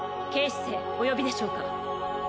警視正お呼びでしょうか